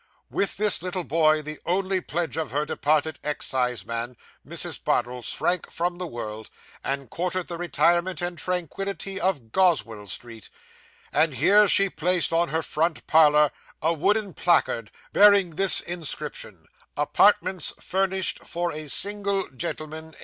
With this little boy, the only pledge of her departed exciseman, Mrs. Bardell shrank from the world, and courted the retirement and tranquillity of Goswell Street; and here she placed in her front parlour window a written placard, bearing this inscription "Apartments furnished for a single gentleman.